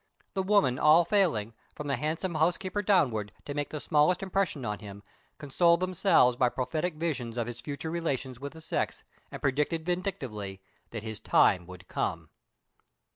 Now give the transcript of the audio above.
The women all failing, from the handsome housekeeper downward, to make the smallest impression on him, consoled themselves by prophetic visions of his future relations with the sex, and predicted vindictively that "his time would come."